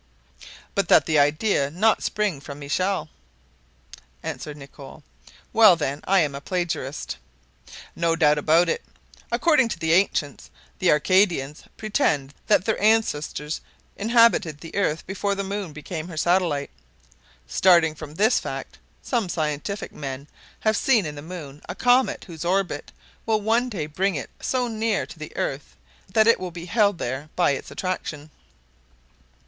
"But that idea does not spring from Michel," answered Nicholl. "Well, then, I am a plagiarist." "No doubt about it. According to the ancients, the Arcadians pretend that their ancestors inhabited the earth before the moon became her satellite. Starting from this fact, some scientific men have seen in the moon a comet whose orbit will one day bring it so near to the earth that it will be held there by its attraction."